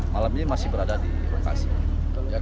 malam ini masih berada di lokasi